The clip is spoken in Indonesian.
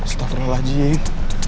aduh terlalu jing